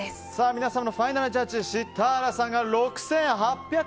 皆様のファイナルジャッジシタラさんが６８００円。